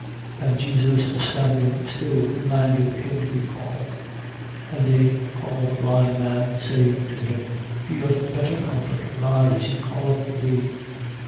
10:49. And Jesus, standing still, commanded him to be called. And they call the blind man, saying to him: Be of better comfort. Arise, he calleth thee.